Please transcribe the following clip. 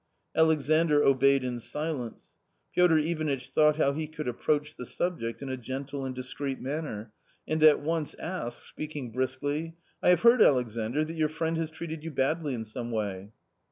" Alexandr obeyed in silence. Piotr Ivanitch thought how he could approach the subject in a gentle and discreet manner, and at once asked, speaking briskly :" I have heard, Alexandr, that your friend has treated you badly in some way